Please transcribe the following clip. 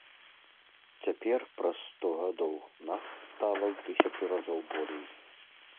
Цяпер, праз сто гадоў, нас стала ў тысячы разоў болей.